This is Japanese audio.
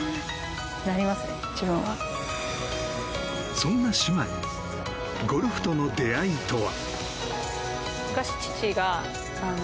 そんな姉妹ゴルフとの出会いとは。